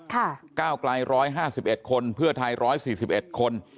ก้าวไกล๑๕๑คนเพื่อไทย๑๔๑คน